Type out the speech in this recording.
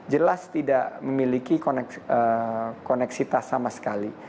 jelas tidak memiliki koneksitas sama sekali